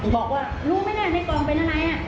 บอกว่ารู้ไหมเนี่ยในกล่องเป็นอะไร